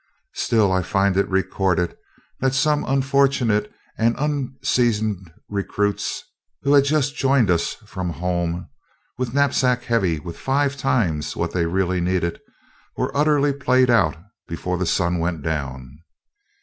Still, I find it recorded that some unfortunate and unseasoned recruits, who had just joined us from home with knapsacks heavy with five times what they really needed, were utterly played out before the sun was down.